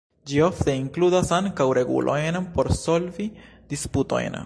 Ĝi ofte inkludas ankaŭ regulojn por solvi disputojn.